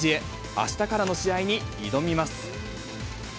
あしたからの試合に挑みます。